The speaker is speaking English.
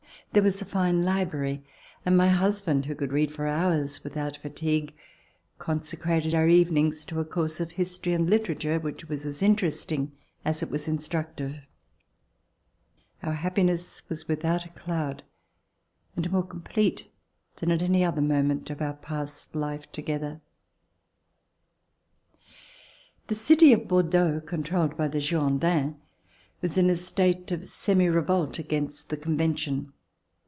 There was a fine library and my husband, who could read for hours without fatigue, consecrated our even ings to a course of history and literature which was as interesting as It was instructive. Our happiness was without a cloud and more complete than at any other moment of our past life together. [ 142 ] FLIGHT TO BORDEAUX The city of Bordeaux, controlled by the Girondins, was In a state of semi revolt against the Convention.